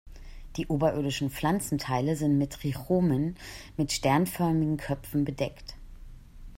Die oberirdischen Pflanzenteile sind mit Trichomen mit sternförmigen Köpfen bedeckt.